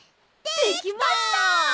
できました！